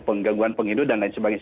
penggangguan penghidup dan lain sebagainya